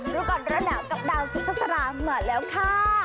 รุกรดระหน่าแกบดาวทรัพย์สลามมาแล้วค่ะ